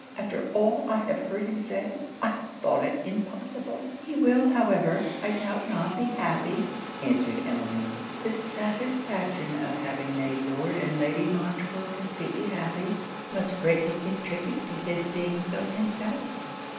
After all I have heard him say, I thought it impossible!' 'He will however, I doubt not, be happy,' answered Emmeline. 'The satisfaction of having made Lord and Lady Montreville completely happy, must greatly contribute to his being so himself.'